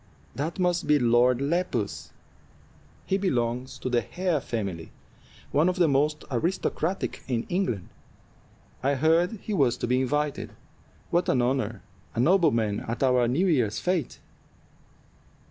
"That must be Lord Lepus; he belongs to the Hare family, one of the most aristocratic in England. I heard he was to be invited. What an honor! a nobleman at our New Year's fête."